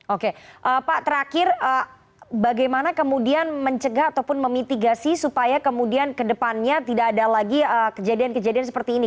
oke pak terakhir bagaimana kemudian mencegah ataupun memitigasi supaya kemudian kedepannya tidak ada lagi kejadian kejadian seperti ini